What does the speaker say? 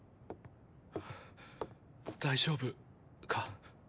大丈夫か？